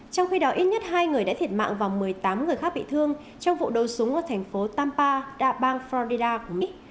trong khi đó ít nhất hai người đã thiệt mạng và một mươi tám người khác bị thương trong vụ đấu súng ở thành phố tampa da bang florida của mỹ